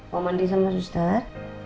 mau mandi sama suster